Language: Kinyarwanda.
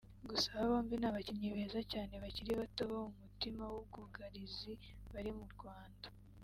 Gusa aba bombi ni abakinnyi beza cyane bakiri bato bo mu mutima w’ubwugarizi bari mu Rwanda